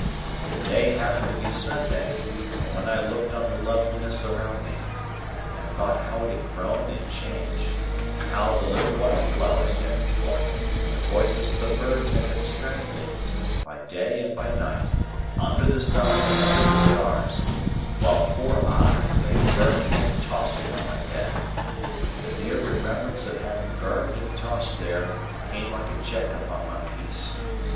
The day happened to be Sunday, and when I looked on the loveliness around me, and thought how it had grown and changed, and how the little wild flowers had been forming, and the voices of the birds had been strengthening, by day and by night, under the sun and under the stars, while poor I lay burning and tossing on my bed, the mere remembrance of having burned and tossed there came like a check upon my peace.